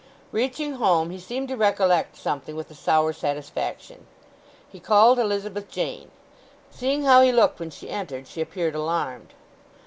Reaching home he seemed to recollect something with a sour satisfaction. He called Elizabeth Jane. Seeing how he looked when she entered she appeared alarmed.